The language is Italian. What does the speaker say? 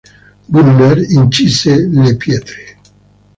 Gunnar incise le pietre.